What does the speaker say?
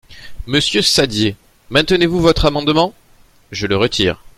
Monsieur Saddier, maintenez-vous votre amendement ? Je le retire.